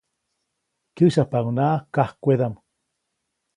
Kyäsyapaʼuŋnaʼak kajkwedaʼm.